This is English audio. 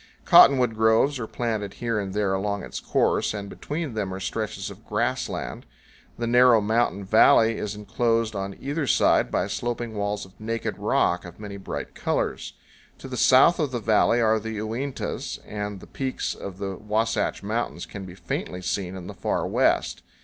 Cottonwood groves are planted here and there along its course, and between them are stretches of grass land. The narrow mountain valley is inclosed on either side by sloping walls of naked rock of many powell canyons 88.jpg GREEN RIVER PLAINS. bright colors. To the south of the valley are the Uintas, and the peaks of the Wasatch Mountains can be faintly seen in the far west.